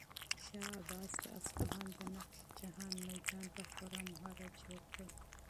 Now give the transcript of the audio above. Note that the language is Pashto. شاه عباس د اصفهان د نقش جهان میدان په خورا مهارت جوړ کړ.